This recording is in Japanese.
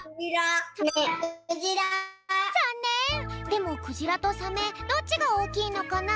でもくじらとさめどっちがおおきいのかな？